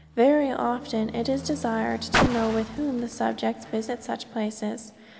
Very often it is desired to know with whom subjects visit such places.